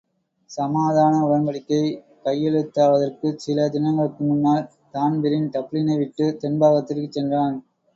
சமாதான உடன்படிக்கை கையெழுத்தாவதற்குச் சில தினங்களுக்கு முன்னால் தான்பிரீன் டப்ளினை விட்டுத் தென்பாகத்திற்குச் சென்றான்.